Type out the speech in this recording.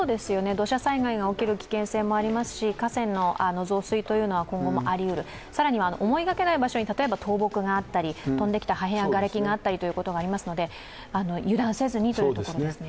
土砂災害が起きる危険性もあるので河川の増水というのも今後もありうる、更には思いがけない場所に倒木があったり飛んできた破片や瓦れきがあったりということもありますので、油断せずにというところですね。